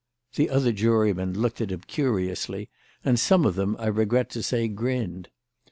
The other jurymen looked at him curiously and some of them, I regret to say, grinned.